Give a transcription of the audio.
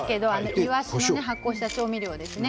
いわしを発酵した調味料ですね。